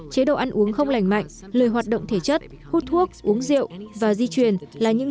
chế độ ăn uống không lành mạnh lười hoạt động thể chất hút thuốc uống rượu và di truyền là những